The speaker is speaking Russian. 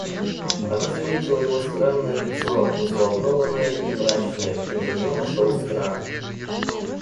Она заметила его странное лицо, взволнованное и мрачное, и на нее нашел страх.